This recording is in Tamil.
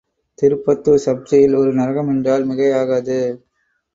திருப்பத்தூர் சப் ஜெயில் ஒரு நரகம் என்றால் மிகையாகாது.